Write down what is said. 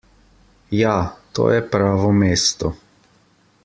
Ja, to je pravo mesto.